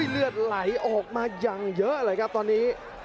เลือดไหลออกมาอย่างเยอะเลยครับตอนนี้